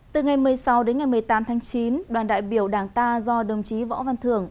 từ ngày một mươi sáu đến ngày một mươi tám tháng chín đoàn đại biểu đảng ta do đồng chí võ văn thưởng